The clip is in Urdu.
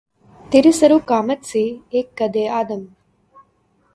تیرے سرو قامت سے، اک قّدِ آدم